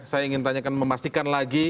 saya ingin tanyakan memastikan lagi